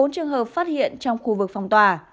bốn trường hợp phát hiện trong khu vực phòng tòa